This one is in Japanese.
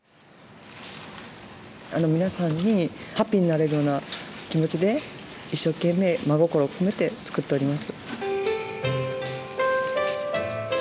皆さんにハッピーになれるような気持ちで一生懸命、真心込めて作っております。